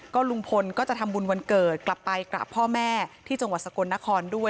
ลุงพลก็จะทำบุญวันเกิดกลับไปกราบพ่อแม่ที่จังหวัดสกลนครด้วย